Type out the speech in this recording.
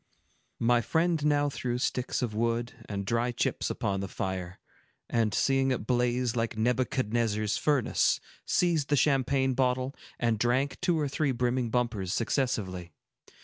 My friend now threw sticks of wood and dry chips upon the fire, and seeing it blaze like Nebuchadnezzar's furnace, seized the champagne bottle, and drank two or three brimming bumpers, successively.